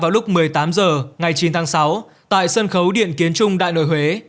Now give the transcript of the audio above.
vào lúc một mươi tám h ngày chín tháng sáu tại sân khấu điện kiến trung đại nội huế